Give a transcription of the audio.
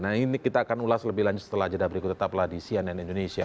nah ini kita akan ulas lebih lanjut setelah jeda berikut tetap ladisi aneh indonesia